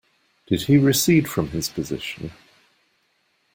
Did he recede from his position?